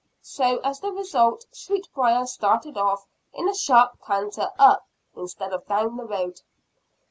So, as the result Sweetbriar started off in a sharp canter up, instead of down, the road.